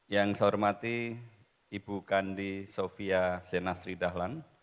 yang saya hormati ibu kandi sofia sena sridahlan